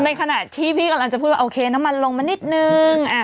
ในขณะที่พี่กำลังจะพูดว่าโอเคน้ำมันลงมานิดนึง